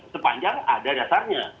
sepanjang ada dasarnya